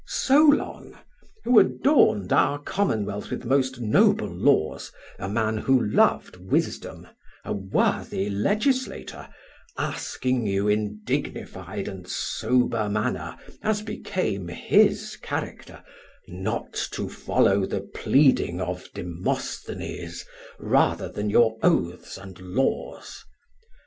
Solon, who adorned our commonwealth with most noble laws, a man who loved wisdom, a worthy legislator, asking you in dignified and sober manner, as became his character, not to follow the pleading of Demosthenes rather than your oaths and laws.